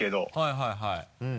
はいはい。